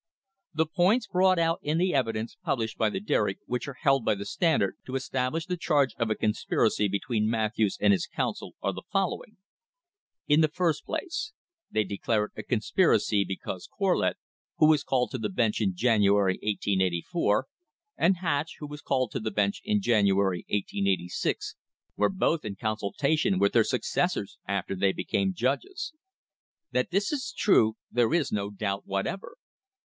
The points brought out in the evidence published by the Derrick which are held by the Standard to establish the charge of a conspiracy between Matthews and his counsel are the fol lowing: In the first place, they declare it a conspiracy because Corlett, who was called to the bench in January, 1884, and Hatch, who was called to the bench in January, 1886, were both in consultation with their successors after they became judges. That this is true there is no doubt whatever.